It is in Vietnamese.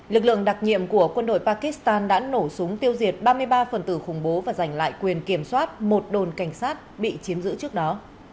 lực lượng đặc nhiệm của quân đội pakistan đã nổ súng tiêu diệt ba mươi ba phần tử khủng bố và giành lại quyền kiểm soát một đồn cảnh sát bị chiếm giữ trước đó